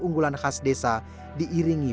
unggulan khas desa diiringi